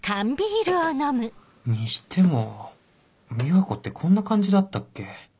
にしても美和子ってこんな感じだったっけ？